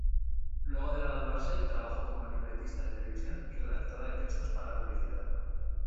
Luego de graduarse trabajó como libretista de televisión y redactora de textos para publicidad.